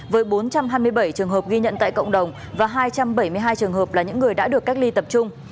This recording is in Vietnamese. với bốn trăm hai mươi bảy trường hợp ghi nhận tại cộng đồng và hai trăm bảy mươi hai trường hợp là những người đã được cách ly tập trung